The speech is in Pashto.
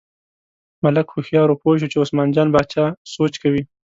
ملک هوښیار و، پوه شو چې عثمان جان باچا سوچ کوي.